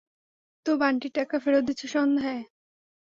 তো বান্টির টাকা ফেরত দিচ্ছ সন্ধ্যায়?